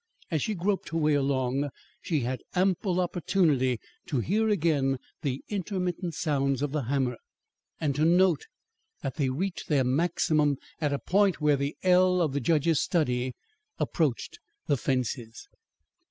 As she groped her way along, she had ample opportunity to hear again the intermittent sounds of the hammer, and to note that they reached their maximum at a point where the ell of the judge's study approached the fences.